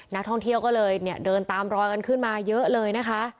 นักท่องเที่ยวก็เลยเนี่ยเดินตามรอยกันขึ้นมาเยอะเลยนะคะ